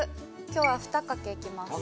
今日は２片いきます